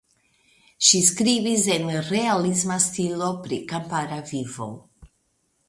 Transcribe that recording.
Ŝi skribis en realisma stilo pri kampara vivo.